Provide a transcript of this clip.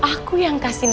aku yang kasihkan